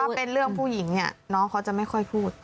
ถ้าเป็นเรื่องผู้หญิงเนี่ยน้องเขาจะไม่ค่อยพูด